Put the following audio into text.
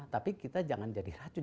tapi kita jangan jadi racun